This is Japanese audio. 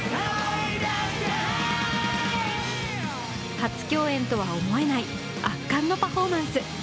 初共演とは思えない圧巻のパフォーマンス。